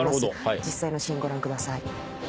実際のシーンご覧ください。